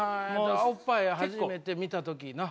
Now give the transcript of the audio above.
おっぱいを初めて見たときの。